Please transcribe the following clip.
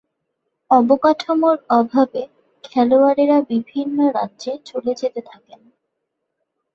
অবকাঠামোর অভাবে খেলোয়াড়েরা বিভিন্ন রাজ্যে চলে যেতে থাকেন।